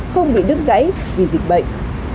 không bị đứt gãy vì dịch bệnh